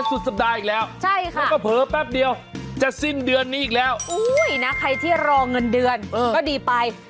อุ้ยนะใครที่รองเงินเดือนก็ดีไป